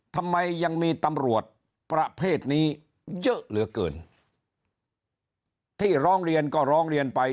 ทำไมยังมีตำรวจประเภทนี้เยอะเหลือเกินที่ร้องเรียนก็ร้องเรียนไป